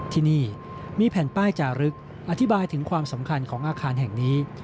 ที่นี่มีแผ่นป้ายจารึกอธิบายถึงความสำคัญของอาคารแห่งนี้